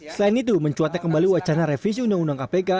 selain itu mencuatnya kembali wacana revisi undang undang kpk